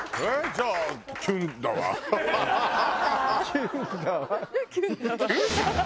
「キュンだわ」。